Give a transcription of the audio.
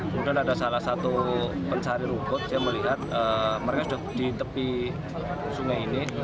kemudian ada salah satu pencari rumput saya melihat mereka sudah di tepi sungai ini